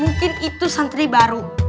mungkin itu santri baru